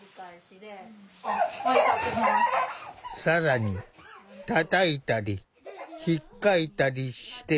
更にたたいたりひっかいたりしてしまうことも。